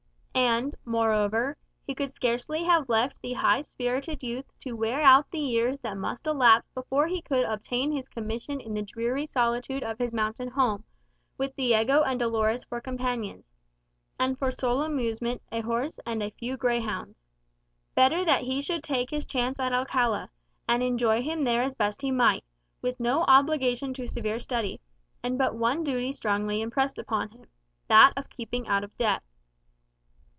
And, moreover, he could scarcely have left the high spirited youth to wear out the years that must elapse before he could obtain his commission in the dreary solitude of his mountain home, with Diego and Dolores for companions, and for sole amusement, a horse and a few greyhounds. Better that he should take his chance at Alcala, and enjoy himself there as best he might, with no obligation to severe study, and but one duty strongly impressed on him that of keeping out of debt.